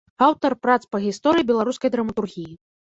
Аўтар прац па гісторыі беларускай драматургіі.